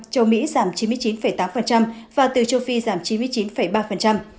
châu mỹ giảm chín mươi chín tám và từ châu phi giảm chín mươi chín ba